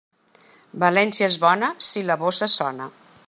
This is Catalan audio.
València és bona si la bossa sona.